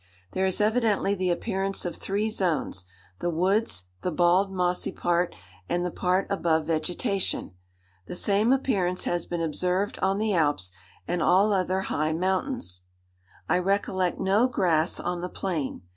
"There is evidently the appearance of three zones—the woods, the bald, mossy part, and the part above vegetation. The same appearance has been observed on the Alps, and all other high mountains. "I recollect no grass on the plain.